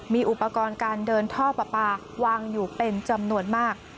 มีอุปกรณ์การเดินท่อปลาปลาวางอยู่เป็นจำนวนมาก